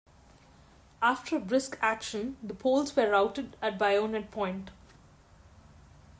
After a brisk action, the Poles were routed at bayonet point.